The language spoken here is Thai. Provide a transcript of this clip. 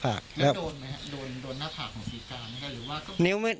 แล้วโดนหน้าผากของศรีการหรือว่า